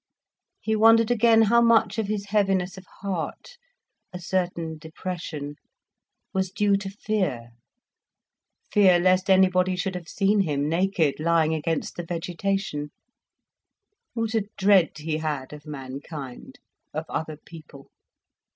He wondered again how much of his heaviness of heart, a certain depression, was due to fear, fear lest anybody should have seen him naked lying against the vegetation. What a dread he had of mankind, of other people!